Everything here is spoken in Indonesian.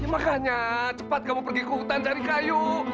makanya cepat kamu pergi ke hutan cari kayu